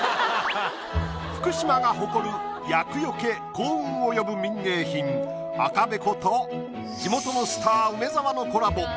福島が誇る厄よけ幸運を呼ぶ民芸品赤べこと地元のスター梅沢のコラボ